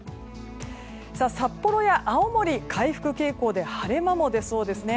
札幌や青森、回復傾向で晴れ間も出そうですね。